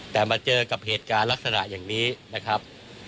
แต่มาเจอกับเหตุการณ์ลักษณะอย่างนี้นะครับ